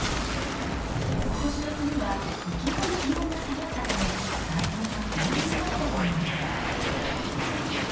今年の冬はいきなり気温が下がったため大根が小ぶりになったといいます。